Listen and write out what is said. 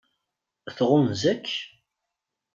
Tɣunza-k?